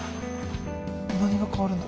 何が変わるんだ？